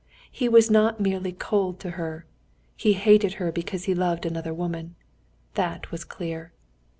He was not merely cold to her, he hated her because he loved another woman—that was clear.